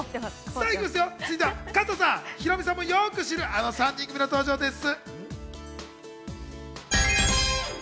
続いては加藤さん、ヒロミさんもよく知る、あの３人組の登場です。